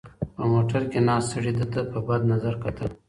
په موټر کې ناست سړي ده ته په بد نظر کتل.